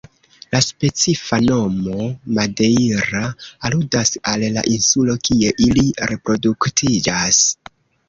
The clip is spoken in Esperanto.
La specifa nomo "madeira" aludas al la insulo kie ili reproduktiĝas.